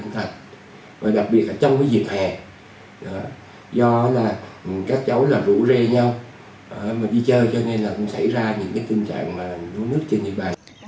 do các cháu rủ re nhau đi chơi cho nên cũng xảy ra những tình trạng đuối nước trên địa bàn